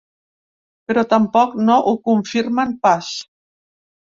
Però tampoc no ho confirmen pas.